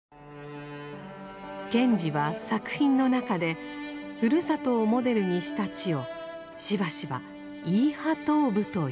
賢治は作品の中でふるさとをモデルにした地をしばしば「イーハトーブ」と呼んでいます。